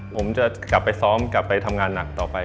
ผมจะกลับไปซ้อมกลับไปทำงานหนักต่อไป